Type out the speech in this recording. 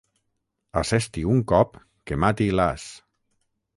Assesti un cop que mati l'as.